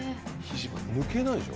抜けないでしょ？